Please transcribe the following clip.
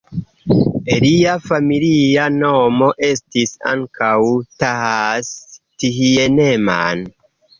Lia familia nomo estis ankaŭ "Thass-Thienemann".